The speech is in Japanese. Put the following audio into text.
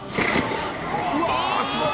うわーっすごい！